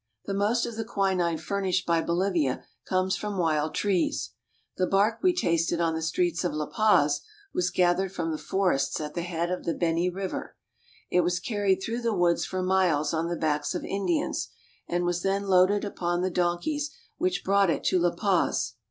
The most of the quinine furnished by Bolivia comes from wild trees. The bark we tasted on the streets of La Paz was gathered from the forests at the head of the Beni river. It was carried through the woods for miles on the backs of Indians, and was then loaded upon the donkeys which brought it to La Paz.